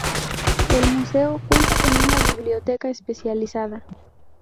El museo cuenta con una biblioteca especializada